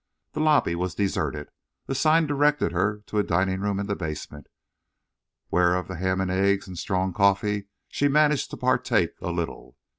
The lobby was deserted. A sign directed her to a dining room in the basement, where of the ham and eggs and strong coffee she managed to partake a little.